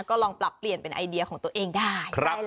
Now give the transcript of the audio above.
ก็ลองปรับเปลี่ยนเป็นไอเดียของตัวเองได้